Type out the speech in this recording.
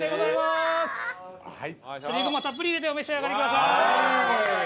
すりごまたっぷり入れてお召し上がりください。